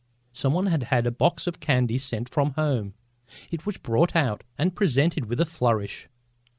Some one had had a box of candy sent from home. It was brought out and presented with a flourish.